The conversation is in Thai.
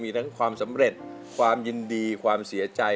มีทั้งความสำเร็จความยินดีความเสียใจ